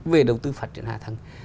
về đầu tư phát triển hạ tầng